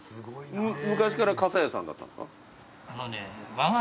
昔から傘屋さんだったんですか？